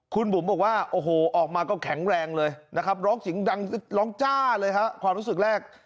คุณบุ๋มบอกว่าโอ้โหออกมาก็แข็งแรงเลยนะครับร้องเสียงดังร้องจ้าเลยฮะความรู้สึกแรก